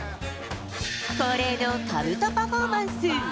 恒例のかぶとパフォーマンス。